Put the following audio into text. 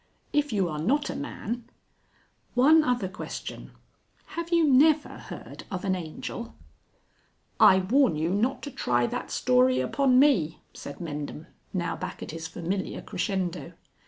"If you are not a man " "One other question. Have you never heard of an Angel?" "I warn you not to try that story upon me," said Mendham, now back at his familiar crescendo.